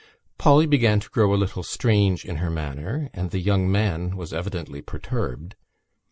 Polly began to grow a little strange in her manner and the young man was evidently perturbed.